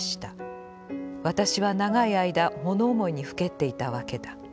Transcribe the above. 私は永い間、もの思いにふけっていたわけだ。